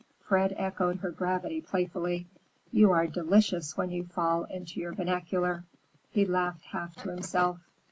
Fred echoed her gravity playfully. "You are delicious when you fall into your vernacular." He laughed half to himself.